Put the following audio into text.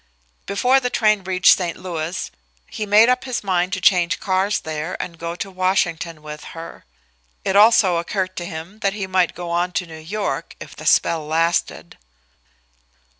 Before the train reached St. Louis he made up his mind to change cars there and go to Washington with her. It also occurred to him that he might go on to New York if the spell lasted.